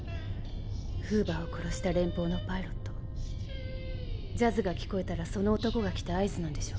フーバーを殺した連邦のパイロットジャズが聴こえたらその男が来た合図なんでしょ？